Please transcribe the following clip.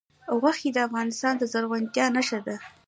غوښې د افغانستان د زرغونتیا نښه ده.